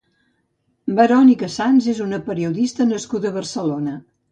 Verónica Sanz és una periodista nascuda a Barcelona.